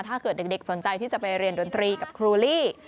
ถ้าเกิดเด็กสนใจที่จะไปเรียนดนตรีกับครูลี่